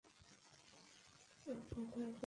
ওহ, গাধা কোথাকার।